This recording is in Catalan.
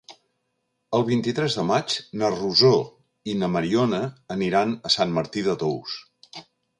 El vint-i-tres de maig na Rosó i na Mariona aniran a Sant Martí de Tous.